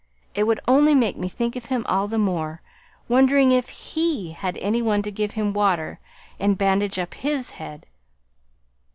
It would only make me think of him all the more, wondering if HE had any one to give him water and bandage up his head.